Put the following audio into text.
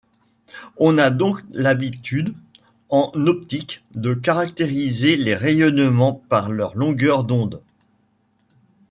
On a donc l'habitude, en optique, de caractériser les rayonnements par leur longueur d'onde.